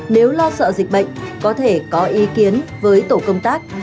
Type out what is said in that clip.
nếu lo sợ dịch bệnh có thể có ý kiến với tổ công tác